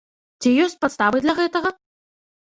Ці ёсць падставы для гэтага?